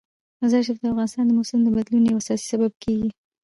مزارشریف د افغانستان د موسم د بدلون یو اساسي سبب کېږي.